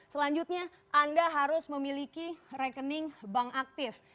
selanjutnya anda harus memiliki rekening bank aktif